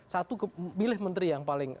satu pilih menteri yang paling